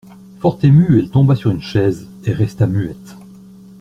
Fort émue, elle tomba sur une chaise, et resta muette.